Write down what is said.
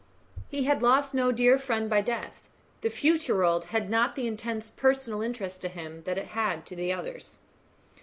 He had lost no dear friend by death. The future world had not the intense personal interest to him that it had to others.